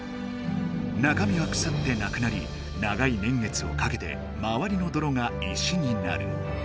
なかみはくさってなくなり長い年月をかけてまわりのどろが石になる。